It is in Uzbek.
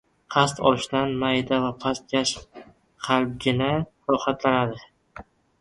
Qasd olishdan mayda va pastkash qalbgina rohatlanadi.